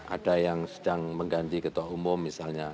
ada yang sedang mengganti ketua umum misalnya